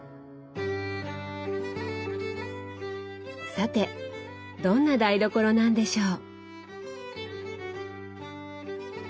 さてどんな台所なんでしょう？